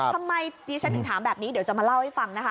ทำไมดิฉันถึงถามแบบนี้เดี๋ยวจะมาเล่าให้ฟังนะคะ